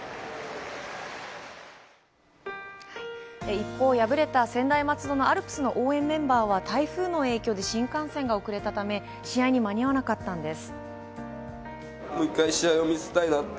一方敗れた専大松戸のアルプスの応援メンバーは、台風の影響で新幹線がおくれたため、試合に間に合わなかったんです。